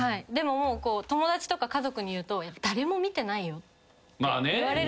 友達とか家族に言うと誰も見てないよって言われる。